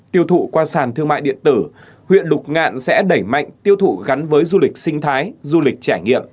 tiêu thụ qua sàn thương mại điện tử huyện lục ngạn sẽ đẩy mạnh tiêu thụ gắn với du lịch sinh thái du lịch trải nghiệm